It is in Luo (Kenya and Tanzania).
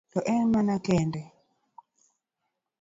To en mano kende?